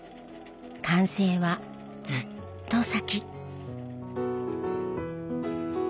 完成はずっと先。